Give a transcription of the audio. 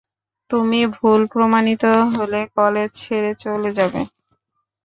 তুমি ভুল প্রমাণিত হলে কলেজ ছেড়ে চলে যাবে?